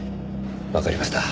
わかりました。